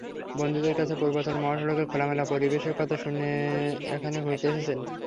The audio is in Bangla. বন্ধুদের কাছে পূর্বাচল মহাসড়কের খোলামেলা পরিবেশের কথা শুনে এখানে ঘুরতে এসেছেন।